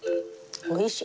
おいしい。